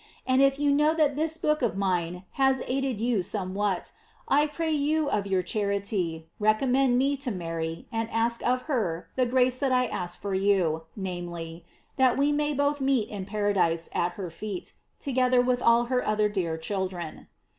And if you know that this book of mine has aided you somewhat, I pray you of your charity recommend me to Mary and ask of her the grace that I ask for you, namely, that we may both meet in paradise at her feet, together with all her other dear children.